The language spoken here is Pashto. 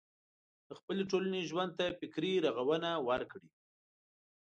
د خپلې ټولنې ژوند ته فکري روغونه ورکړي.